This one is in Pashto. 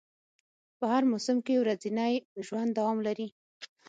په هر موسم کې ورځنی ژوند دوام لري